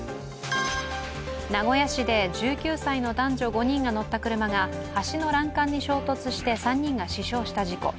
名古屋市で１９歳の男女５人が乗った車が橋の欄干に衝突して３人が死傷した事故。